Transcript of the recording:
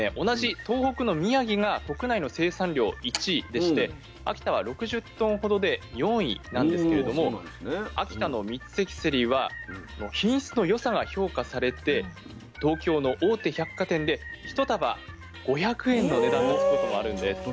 同じ東北の宮城が国内の生産量１位でして秋田は６０トンほどで４位なんですけれども秋田の三関せりは品質の良さが評価されて東京の大手百貨店で１束５００円の値段もつくことあるんです。